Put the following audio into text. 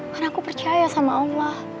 karena aku percaya sama allah